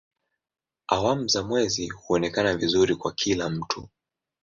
Awamu za mwezi huonekana vizuri kwa kila mtu.